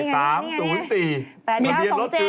มีทะเบียนรถคือ๘๙๒๗